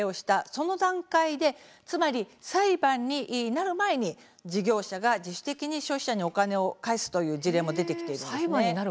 その段階でつまり裁判になる前に事業者が自主的に消費者にお金を返すという事例も出てきているんです。